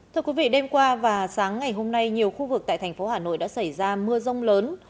thưa quý vị đêm qua và sáng ngày hôm nay nhiều khu vực tại thành phố hà nội đã xảy ra mưa rông lớn